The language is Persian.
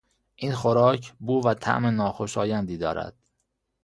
این خوراک بو و طعم ناخوشایندی دارد.